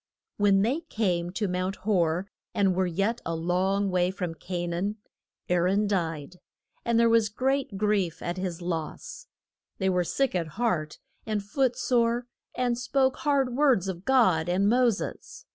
When they came to Mount Hor and were yet a long way from Ca naan, Aa ron died, and there was great grief at his loss. They were sick at heart and foot sore, and spoke hard words of God and Mo ses.